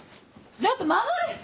ちょっと守！